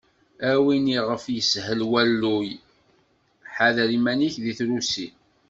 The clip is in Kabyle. A win iɣef yeshel walluy, ḥader iman-ik deg trusi.